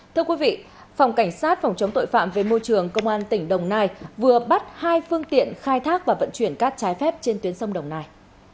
thưa quý vị phòng cảnh sát phòng chống tội phạm về môi trường công an tỉnh đồng nai vừa bắt hai phương tiện khai thác và vận chuyển cát trái phép trên tuyến sông đồng nai